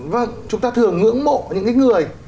vâng chúng ta thường ngưỡng mộ những cái người